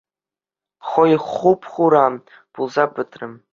Хӑй хуп-хура пулса пӗтрӗ.